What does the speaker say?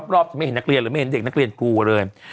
รอบจะไม่เห็นนักเรียนหรือไม่เห็นเด็กนักเรียนกลัวเลย